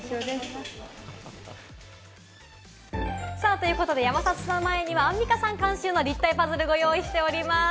ということで、山里さんの前にはアンミカさん監修の立体パズル、ご用意しております。